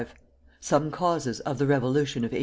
SOME CAUSES OF THE REVOLUTION OF 1848.